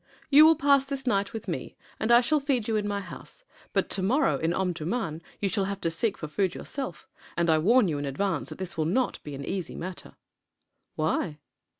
"You will pass this night with me and I shall feed you in my house, but to morrow in Omdurmân you will have to seek for food yourself, and I warn you in advance that this will not be an easy matter." "Why?"